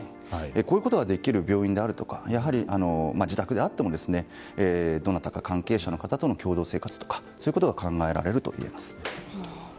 こういうことができる病院だとかやはり自宅であってもどなたか関係者の方との共同生活とか、そういうことが考えられるといえます。